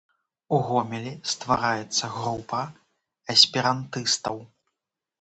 у Гомелі ствараецца група эсперантыстаў